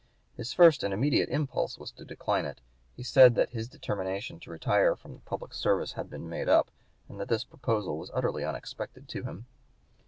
His first and immediate impulse was to decline it. He said that his determination to retire from the public service had been (p. 178) made up, and that this proposal was utterly unexpected to him.